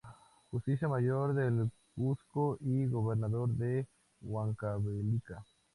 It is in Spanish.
Justicia mayor del Cuzco y gobernador de Huancavelica.